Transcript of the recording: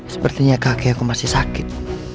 sepertinya kakekku masih sakit